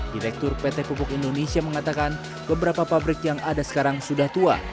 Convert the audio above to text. direktur pt pupuk indonesia mengatakan beberapa pabrik yang ada sekarang sudah tua